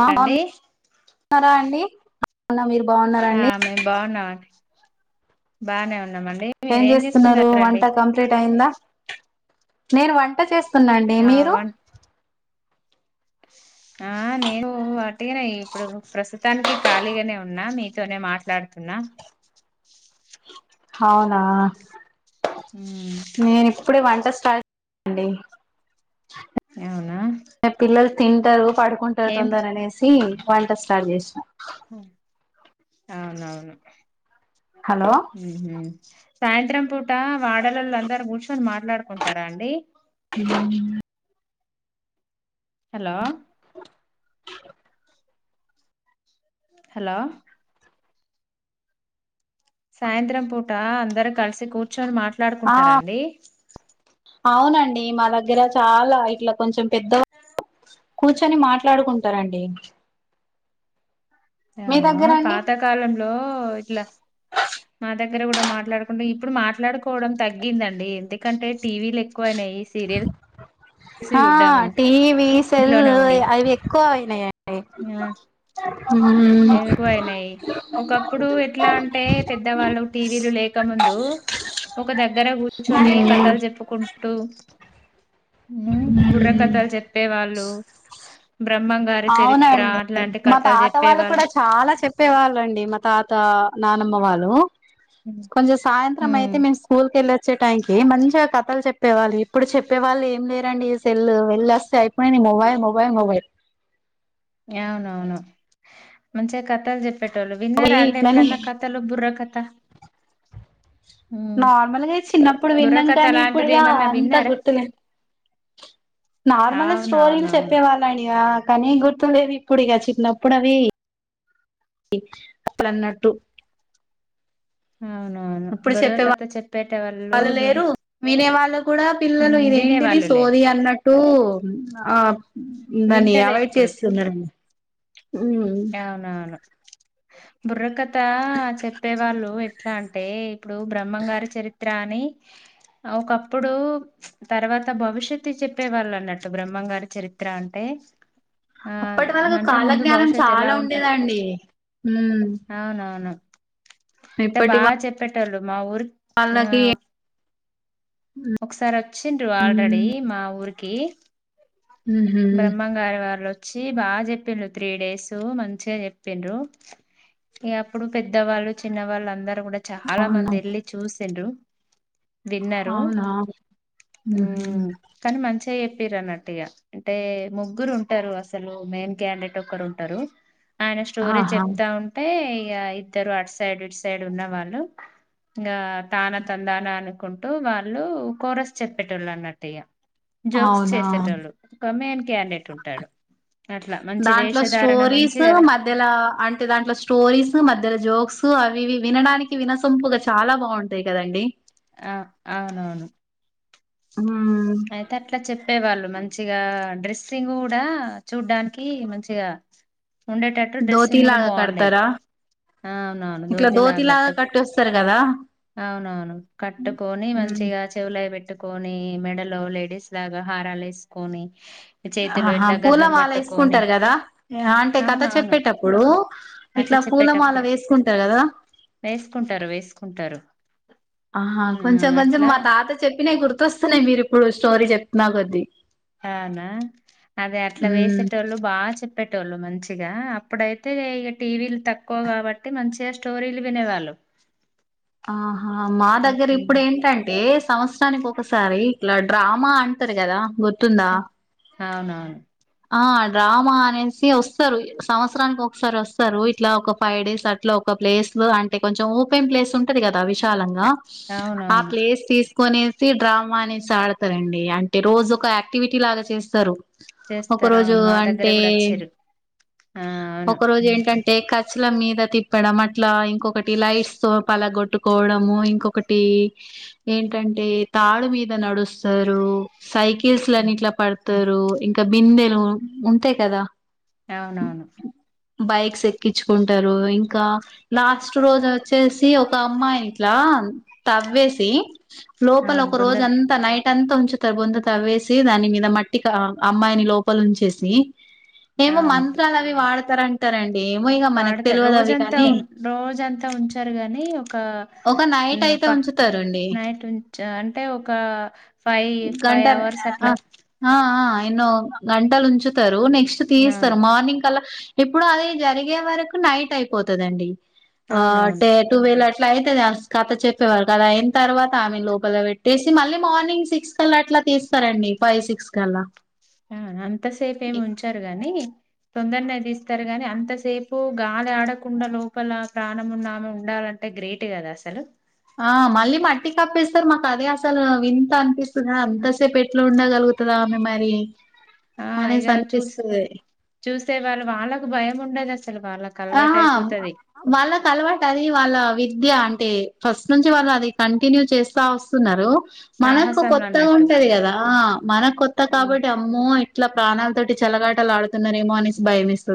ఆ అండి బాగున్నారా అండి మీరు బాగున్నారా ఆ అండి మెమ్ బాగున్నామ్ బాగనే ఏం చేస్తున్నారు వంట కంప్లీట్ అయిందా నేను వంట చేస్త స్తున్నాండి ఆ మీరు వన్ ఆ నేను వాట్టిగనే ఇప్పుడు ప్రస్తుతానికి ఖాళీగానే ఉన్నా మీతోనే మాట్లాడుతున్నా న అవునా ఉమ్ నేను ఇప్పుడే వంట స్టా అండి అవునా నా పిల్లలు తింటారు పడుకుంటారు ఏం తొందర అనేసి వంట స్టార్ట్ చేసిన అవునవును హలో ఉహు సాయంత్రం పూట వాడలోల్లు అందరు కూర్చొని మాట్లాడుకుంటారా అండి ఉ హలో హలో సాయంత్రం పూట అందరు కలిసి కూర్చొని ఆ మాట్లాడుకుంటారండి అవునండి మా దగ్గర చాలా ఇట్లా కొంచెం పెద్ద కూర్చొని మాట్లాడుకుంటారండి మీ అవును దగ్గర అండి పాతకాలంలో ఇట్ల మాద దగ్గర కూడా మాట్లాడుకుంటూ ఇప్పుడు మాట్లాడుకోవడం తగ్గిందండి ఎందుకంటే టీవీలు ఎక్కువయినాయి సీరియల్స్ ఆ చూడ్డము టీవీ సెల్ ఇంట్లోనే ఉండి. అవి ఎక్కువ అయినాయి నీ ఉ ఎక్కువైనాయి ఒకప్పుడు ఎట్లా అంటే పెద్దవాళ్ళు టీవీలు లేకముందు దు ఒక దగ్గర కూర్చొని కథలు చెప్పుకుంటూ ఉ బుర్ర ఉమ్ కథాలు చెప్పే వాళ్ళు బ్రహ్మంగారి చరిత్ర అవునండి అట్లాంటి మా కథలు చె తాత వాళ్ళు కూడా చాలా చెప్పే వాళ్ళండి మా తాత నానమ్మ వాళ్ళు హ్మ్ కొంచెం సాయంత్రం హ్మ్. అయితే మేం స్కూల్ కెళ్ళే వచ్చే టైకి మంచిగా కథలు చెప్పేవాళ్ళు ఇప్పుడు చెప్పేవాళ్ళు ఏం లేరండి ఈ సెల్ వెళ్ళ వస్తే అయిపోయి మొబైల్ మొబైల్ మొబైల్ అవునవును మంచిగా కథాలు చెప్త చెపేటోళ్ళు విన్నారా అంటే ఇట్లని ఎప్పుడైన్నా కథలు బుర్ర కథ హ్మ్ నార్మల్గా చిన్నప్పుడు విన్నాం బుర్రకథ కానీ అలాంటిది ఇప్పుడుగా ఏమన్నా అంత విన్నారా గుర్తులేదు నార్మల్ స్టోరీలు అవునవునవును చెప్పే వాళ్ళని ఆ కానీ గుర్తులేదు ఇప్పుడు ఇక చిన్నప్పుడు అవి అప్పుడన్నట్టు అవునవును ఇప్పుడు చెప్పే బుర్రకథ వాళ్ చెప్పేట వాళ్ళు వాళ లేరు వినే వాళ్ళు కూడా పిల్లలు ఇదేం ఇది వినేవాళ్ళు లేరు సోది అన్నట్టు ఆ దాన్ని వింటలేరు అవాయిడ్ ఇప్పుడు చేస్తున్నారండి ఉమ్ అవునవును బుర్రకథ చెప్పేవాళ్ళు ఎట్లా అంటే ఇప్పుడు బ్రహ్మంగారి చరిత్ర అని ఒకప్పుడు తర్వాత భవిష్యత్తు చెప్పే వాళ్ళు అన్నట్టు బ్రహ్మంగారి చరిత్ర అంటే టె అప్పటి వాలాకు కాలజ్ఞానం చాలా ఉంటది ఉండేదండి ఉమ్ అవునవును అంటే ఇప్పటి బాగ చెప్పెటోళ్ళు మా ఊరి యా వాళ్ళకి ఒకసారి వచ్చిండ్రు ఆల్రెడీ ఉమ్ మా ఊరికి కీ ఉహు బ్రహ్మంగారి వారిలో వచ్చి బాగ చెప్పిరు త్రీ డేస్ మంచిగా చెప్పిండ్రు ఇక అప్పుడు పెద్దవాళ్ళు చిన్న వాళ్ళందరు కూడ చాలా అవునా మంది వెళ్ళి చూసండ్రు తిన్నరు అవునా ఉహు కానీ మంచిగ చెప్పిండ్రు అన్నట్టు ఇక అంటే ముగ్గురు ఉంటారు అసలు మెయిన్ క్యాండెట్ ఒకరు ఉంటారు ఆయన స్టోరీ ఆహా చెప్తా ఉంటే కి ఇద్దరు అటు సైడ్ ఇటు సైడ్ ఉన్నవాళ్ళు ఇంకా తాన తందాన అ అనుకుంటూ వాళ్ళు కూరస్ చెప్పేటోళ్ళన్నట్టుగా జోక్స్ అవునా చేసేటోళ్ళు కొమేన్ క్యాండెట్ ఉంటాడు అట్లా మంచి దాంట్లో వేషధారణ స్టోరీస్ మంచిగా వే- మధ్యల అంటే దాంట్లో స్టోరీస్ మధ్యల జోక్స్ తు అవి వినడానికి వినసొంపుగా చాలా బాగుంటాయి కదండి అ అవునవును ఉమ్ అయితే అట్ల చెప్పేవాళ్ళు మం చిగా డ్రెస్సింగ్ కూడా చూడ్డానికి మంచిగా ఉండేటట్టు డ్రెస్సింగ్ కూడ బాగుండేది అవునవును ఇట్ల ధోతిలా దోతిలాగ గట్టు కట్టొస్తారు కదా అవునవును కట్టుకొని ఉమ్ మంచిగ చెవిలోవి పెట్టి పెట్టుకొని మెడలో లేడీస్ లాగ హారాలు వేసుకొని చేతిలో ఆహా ఇట్లా పూల గజం మాలా పట్టుకొని వేసుకుంటారు కదా ఆంటీ కథ అవునవును చెప్పేటప్పుడు అట్లా ఇట్ల పూల మాల చెప్పేటప్పుడు వేసుకుంటారు కదా వేసుకుంటారు వేసుకుంటారు ఆహ ఆ కొంచం కొంచెం అట్లా మా తాత చెప్పినయి గుర్తొస్తున్నాయి మీరు ఇప్పుడు స్టోరీ చెప్తున్నా కొద్ద్దీ అవునా అదె అట్ల ఉమ్ వేసేటోళ్ళు బాగ చెప్పే టోళ్ళు మంచిగా ఇక అప్పుడైతే ఇగ టీవీల్ తక్కువ కాబట్టి మంచిగా స్టోరీలు వినేవాళ్ళు ఆహ మా దగ్గర ఉమ్ ఇప్పుడు ఏంటంటే సంవత్సరానికి ఒకసారి ఇట్ల డ్రా మా అంటారు కదా గుర్తుందా అవునవున్ ఆ డ్రామ అనేసి వస్తారు సంవత్సరానికి ఒకసారి వస్తారు ఇట్ల ఒక ఫైవ్ డేస్ అట్ల ఒక ప్లేస్ లో అంట కొంచెం ఓపెన్ ప్లేస్ ఉంటది కదా వి శాలంగా ఆ అవునవును ప్లేస్ తీసుకునే డ్రామా అనేసి ఆడ్ స్తారంండి అంటే రోజు ఒక యాక్టివిటీ లాగ చేస్తారు ఒక చేస్తారా రోజు అవును మా దగ్గర అంటే కూడా వచ్చిరు ఆ అవును పచ్చల మీద తిప్పడం అట్లా ఇంకొకటి లైట్స్ తో పలగొట్ కుట్టుకోవడము ఇంకొకటి ఏంటంటే తాడు మీద నడుస్తారు సైకిల్స్ లన్ని ఉమ్. ఇట్లా పడతారు ఇంకా బిందెలు ఉంటాయి కదా అవునవును బైక్స్ ఎక్కించుకుంటారు ఇంక లాస్ట్ రోజు వచ్చేసి ఒక అమ్మాయి ఇట్ల తవ్వేసి లోపల అవును ఒక బుంద రోజంతా నైట్ నైటంత ఉంచుతార్ బొంత తవ్వేసి దాని మీద మట్టిక అమ్మాయిని లోపల ఉంచేసి ఏమో మంత్రాల్ అవి వాడ్తార అంటారంండి వాడతార్ రోజం రోజంతా ఉంచరు గానీ ఒక ఒక నైట్ అయితే అబ ఉంచుతారండి నైట్ నుంచె అంటే ఒక ఫైవ్ ఫైవ్ గంటర్ అవర్స్ ఆ అట్లా ఆహా ఇ ఎన్నో గంటలు ఉంచుతారు నెక్స్ట్ అవును తీస్తారు మార్నింగ్ కలా ఇప్పుడు అది జరిగే వరకు నైట్ అయిపోతుందిండి ఆ అవునవును టే టువెల్ అట్లా ఇట్లా అయితది ఆ కథ చెప్పేవారు అది అయినా తర్వాత ఆమె లోపల పెట్టేసి మళ్ళీ మార్నింగ్స్ సిక్స్ సిక్స్ కల్లా అట్లా తీస్తారండి ఫైవ్ సిక్స్ కల్లా అ అంతసేపు ఏమి ఉంచారు గాని తొందరనే తీస్తారు గాని అంతసేపు గాలి ఆడకుండా లోపల ప్రాణమున్న ఆమె ఉండాలంటే గ్రేట్ కదు అసలు ఆ మళ్ళీ మట్టి కప్పేస్తారు మాకు అదే అసలు వింత అనిపిస్తుంది అంత తె పెట్లో ఉండగలుగుతదా ఆమె మరి ఆ ఇగ అనేసి చూస్ అనిపిస్తది చూస్తె వాళ్ళ వాళ్ళకు భయం ఉండదు అసలు వాళ్ళకి ఆ అలవాటు అయిపోతది. వాళ్ళకు అలవాటు అది వాళ్ళ విద్య అంటే ఫస్ట్ నుంచి వాళ్ళు అది కంటిన్యూ చేస్తా వస్తున్నారు మనకు సాహసంలు కొత్తగా అన్నట్టు. ఉంటది కదా మనకు కొత్త కాబట్టి అమ్మో ఇట్లా ప్రాణాలతోటి చలగాటలు ఆడుతున్నారేమో అనేసి భయమేస్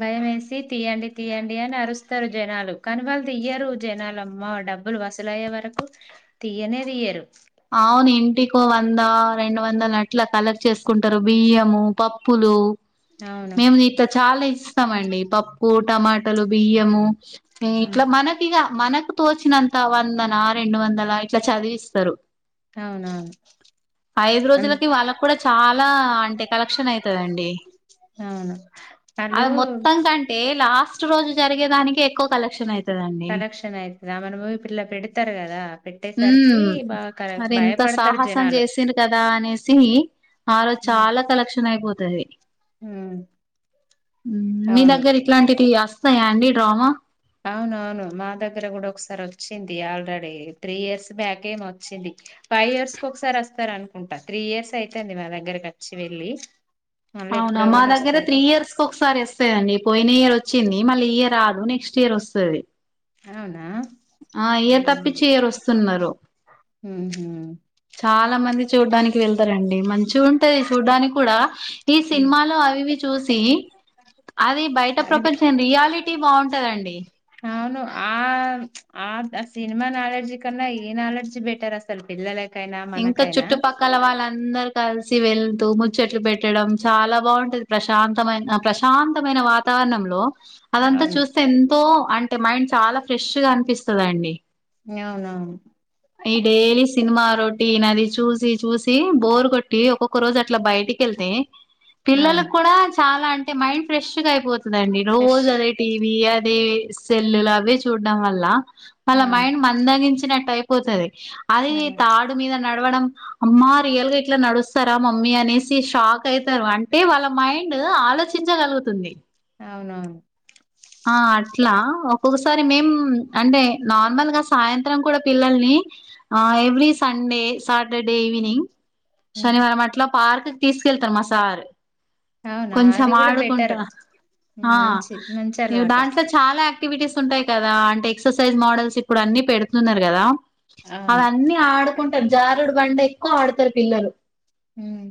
భయంమేసి తీయండి తీయండి అని అరుస్తారు జనాలు కానీ వాళ్ళు తీయ్యారు జనాలు అమ్మ డబ్బులు వసూలు అయ్యే వరకు తీయనే తీయరు అవును ఇంటికో వంద రెండు వందలు అట్ల కలెక్ట్ చేసుకుంటారు బియ్యము పప్పు పులు అ మేము ఇట్లా చాలా ఇస్తామండి పప్పు టమాటాలు బియ్యము ఉమ్. ఇట్లా మనకిగా మనకు తోచినంత వందన రెండు వందల ఇట్లా చదివిస్తారు అవునవును ఐదు హ్మ్. రోజులకి వాళ్ళకు కూడా చాలా అంటే కలెక్షన్ అయితదండి అవును. అది వాళ్ళు మొత్తం కంటే లాస్ట్ రోజు జరిగేదానికి ఎక్కువ కలెక్షన్ అయింది కలెక్షన్ అయితదా మనము ఇప్పుడు ఇలా పెడతారు కదా పెట్టేసరికి ఉమ్ బాగా కలె మరి ఇంత సాహసం చేసింరూ కదా అనేసి ఆ రోజు చాలా కలెక్షన్ అయిపోతది ఉమ్మ్ మీ దగ్గర ఇట్లాంటివి వస్తాయా అండి డ్రామా అవునవును మా దగ్గర కూడా ఒకసారి వచ్చింది ఆల్రెడీ త్రీ ఇయర్స్ బ్యాక్ఏమో వచ్చింది ఫైవ్ ఇయర్స్ కి ఒకసారి వస్తారు అనుకుంటా త్రీ ఇయర్స్ అయితుంది మా దగ్గరకి వచ్చి వెళ్ళి మళ్ళీ అవునా ఎప్పుడో మా కాని దగ్గర వస్తారు త్రీ ఇయర్స్ కు ఒకసారి వస్తాయండి పోయిన ఇయర్ వచ్చింది మళ్ళీ ఇయర్ రాదు నెక్స్ట్ ఇయర్ వస్తుంది అవునా ఆ ఇయర్ ఉమ్ తప్పిచ్చి ఇయర్ వస్తున్నారు ఉహు చాలా మంది చూడ్డానికి వెళ్తారండి మంచిగా ఉంటది చూడ్డానికి కూడా ఈ ఉమ్. సినిమాలో అవివి చూసి సి అది బయట అది ప్రపంచం రియాలిటీ బాగుంటందండి అవును ఆ ఆ సినిమా నాలడ్జి కన్నా ఈ నాలెడ్జి బెటర్ అసలు పిల్ల ఇంకా చుట్టుపక్కన వాళ్ళందరూ కలిసి వెళ్తూ ముచ్చట్లు పెట్టడం చాలా బాగుంటది ప్రశాంతమైన ప్రశాంతమైన వాతావరణ వాతావరణం లో అదంతా అవును చూస్తే ఎంతో అంటే మైండ్ చాలా ఫ్రెష్ గా అనిపిస్తుందండి అవునవును ఈ డైలీ సినిమా ఆ రోడ్ టి చూసి చూసి బోర్ కొట్టి ఒక్కొక్క రోజు అట్లా బయటికి వెళ్తే అవును పిల్లలకు కూడా చాలా అంటే మైండ్ ఫ్రెష్ గా అయిపోతుందిండి ఫ్రెష్ రోజు అదే టీవీ అ సెల్లులు అవే చూడడం వల్ల వాళ్ళ అవును మైండ్ మందగించినట్టు అయిపోతది అది అవును తాడు మీద నడవడం అమ్మా రియల్ గా ఇట్లా నడుస్తారా మమ్మీ అనేసి షాక్ అయితారు అంటే వాళ్ళ మైండ్ డ్ ఆలోచించగలుగుతుంది అవునవును ఆ అట్లా ఒక్కొక్కసారి మేం అంటే నార్మల్ గా సాయంత్రం కూడా పిల్లల్ని ఆ every Sunday Saturday evening um. శనివారం అట్లా పార్క్ కి తీసుకెళ్తారు మా సార్ అవునా కొంచెం అది కూడా బెటర్ ఆడుకుంటా ఆ మంచి మంచి అలవాటు దాంట్లో చాలా యాక్టివిటీస్ ఉంటాయి కదా అంటే ఎక్సర్సైజ్ మోడల్స్ ఇప్పుడు అన్ని పెడుతున్నారు కదా అవును అవన్నీ ఆడుకుంటారు జారుడు బండ ఎక్కువ ఆడతారు పిల్లలు ఉమ్.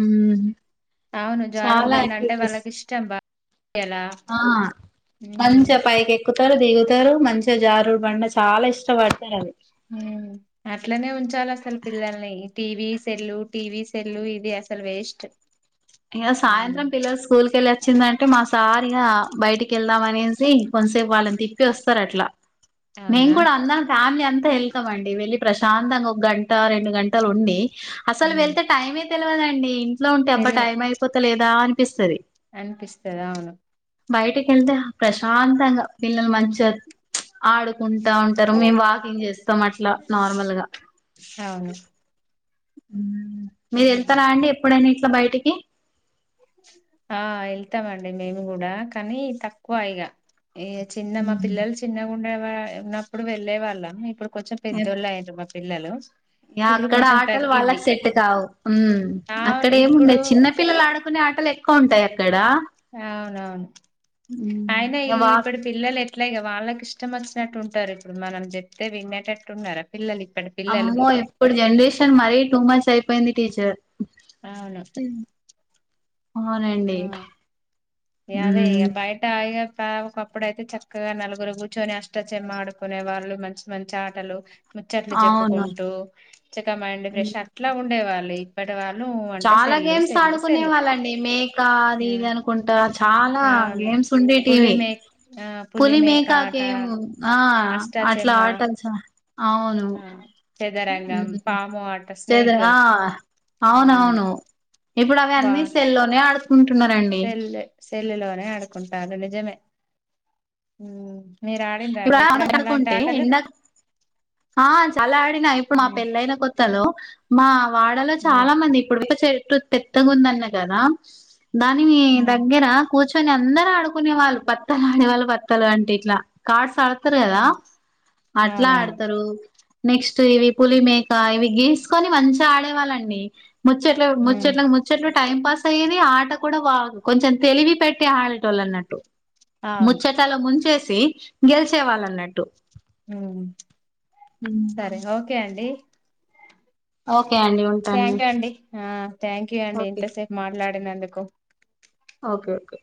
ఉమ్ అవును జారుడు చాలా బండ అంటే యాక్టివిటీస్ వాళ్ళకి ఇష్టం బా ఆ ఉమ్. మంచిగా పైకి ఎక్కు తారు దిగుతారు మంచిగా జారుడు బండ చాలా ఇష్టపడతారు అది ఉమ్. అట్లనే ఉంచాలి అసలు పిల్లల్ని టీవీ సెల్లు టీవీ సెల్లు ఇది అసలు వేస్ట్ ఇంక సాయంత్రం పిల్లలు స్కూల్ కెళ్ళి వచ్చిందంటే మా సార్ ఇగ బయటికి వెళ్దాం అనేసి కొంతసేపు వాళ్ళని తిప్పి వస్తారు అట్లా నేన్ అవునా కూడా అన్న ఫ్యాంలీ అం త వెళ్తాం అండి వెళ్ళి ప్రశాంతంగా ఒక గంట రెండు గంటలు ఉండి అసలు వెళ్తే టైమే తెల్వదండి ఇంట్లో ఉంటే అబ్బా తెలి టైం అయిపోతాలేదా అనిపిస్తది అనిపిస్తది అవును బయటకి వెళ్తే ప్రశాంతంగా పిల్లలు మంచిగా ఆడుకుంటా ఉంటారు మేము వాకింగ్ చేస్తాం అట్లా నార్మల్గా అవును ఉమ్ మీరు వెళ్తారా అండి ఎప్పుడైనా ఇట్లా బయటికి ఆ వెళ్తామండి మేము కూడా కానీ తక్కువ ఇగ ఈ చిన్న మా పిల్లలు చిన్నగుండే ఉన్నప్పుడు వెళ్ళే వాళ్ళం ఇప్పుడు కొంచెం పెద్దోళ్ళు అయిర్రు మా పిల్లలు ఇ ఇప్పుడు అక్కడ కొంచెం ఆటలు తగ్గింది వాళ్ళకి సెట్ కావు ఉమ్ అవును అక్కడ ఇప్పుడు ఏముండేదు చిన్న పిల్లలు ఆడుకునే ఆట టలు ఎక్కువ ఉంటాయి అక్కడ అవునవును ఉమ్ అయిన ఈ ఇగ వాక్ ఇప్పుడు పిల్లలు ఎట్ల ట్లగ వాళ్ళకి ఇష్టం వచ్చినట్టు ఉంటారు ఇప్పుడు మనం చెప్తే వినేటట్టు ఉన్నార పిల్లలు ఇప్పటి పిల్లలు అమ్మో ఇప్పుడు జనరేషన్ మరీ టూ మచ్ అయిపోయింది టీచర్ అవును అవునండి ఆ అదే ఇగ మ్మ్ బయట ఆగ ట ఒకప్పుడు అయితే చక్కగా నలుగురు కూర్చొని అష్టచమ్మ ఆడుకునే వాళ్ళు మంచి మంచి ఆటలు ముచ్చట్లు అవును చెప్పుకుంటూ చక మైండ్ ఫ్రెష్ అట్లా ఉండే వాళ్ళు ఇప్పటి వాళ్ చాలా గేమ్స్ ఆడుకునే వాళ్ళండి మేకా అది ఇది అనుకుంటా చాలా ఆ అవును గేమ్స్ ఉండే పులి టీవీ మే ఆ పులి పులిమేక మేకా ఆట గేమ్ ఆ అట్లా అష్టాచెమ్మ ఆటల్ చానా అవును ఆ చదరంగం మ్మ్ పాము ఆట స్నేక్ చెదర అ ఆ అవునవును ఇప్పుడు అవి అన్నీ సెల్లోనే ఆడుకుంటున్నారండి సెల్లు లోనే ఆడుకుంటారు నిజమే ఉమ్ మీరు ఆడిండ్రా ఇప్పుడు అండి ఎప్పుడైనా అలాంటి ఆడుకుంటే ఆటలు ఎండా ఆ చాలా ఆడినా ఇప్పుడు మా ఉమ్, పెళ్ళయిన కొత్తలో మా వాడలో ఉమ్, చాలా మంది ఇప్పుడు ఒక చెట్టు పెద్దగా ఉందన్న కదా దాని మీ ఉమ్, దగ్గర కుర్చ్ ర్చొని అందరు ఆడుకునే వాళ్ళు పత్తలు ఆడేవాళ్ళు పత్తలు అంటే ఇట్లా కార్డ్స్ ఆ ఆడతారు కదా ఉమ్. అట్లా ఆడ్ అవునవును నెక్స్ట్ ఇవి పులి మేక ఇవి గీసుకొని మంచిగా ఆడేవాళ్ళండి ముచ్చట్లు ఉమ్ ముచ్చెట్ ముచ్చట్లు టైం పాస్ అయ్యేవి ఆట కూడా వాగు కొంచెం తెలివి పెట్టే ఆడేటోళ్ళు అన్నట్టు అవును ముచ్చటలో ముంచేసి గెలిచే వాళ్ అన్నట్టు ఉ ఉచ్ సరే ఓకే అండి ఓ థ్యాంక్ యూ అండి ఆ థ్యాంక్ యూ అండి ఓకే ఇంతసేపు మాట్లాడినందుకు ఓకే ఓకే